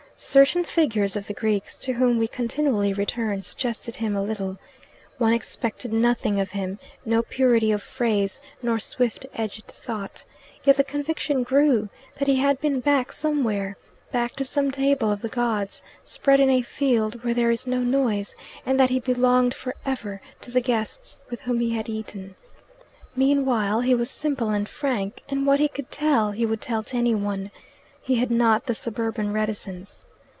Certain figures of the Greeks, to whom we continually return, suggested him a little. One expected nothing of him no purity of phrase nor swift edged thought. Yet the conviction grew that he had been back somewhere back to some table of the gods, spread in a field where there is no noise, and that he belonged for ever to the guests with whom he had eaten. Meanwhile he was simple and frank, and what he could tell he would tell to any one. He had not the suburban reticence.